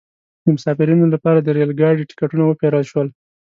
د مسافرینو لپاره د ریل ګاډي ټکټونه وپیرل شول.